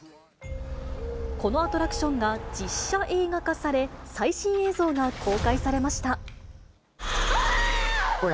このアトラクションが実写映画化され、最新映像が公開されました。